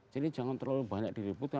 jadi jangan terlalu banyak diributkan